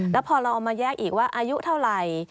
แล้วพอเราเอามาแยกอีกว่าอายุเท่าไหร่